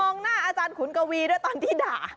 หน้าอาจารย์ขุนกวีด้วยตอนที่ด่า